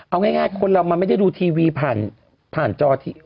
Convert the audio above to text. เอาง่ายคนเรามันไม่ได้ดูทีวีผ่านจอที